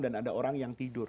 ada orang yang tidur